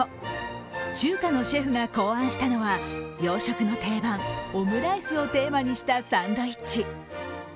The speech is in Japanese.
中華のシェフが考案したのは洋食の定番、オムライスをテーマにしたサンドイッチ。